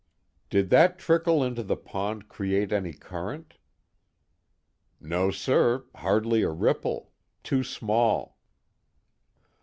"Did that trickle into the pond create any current?" "No, sir, hardly a ripple. Too small."